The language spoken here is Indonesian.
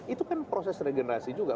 itu kan proses regenerasi juga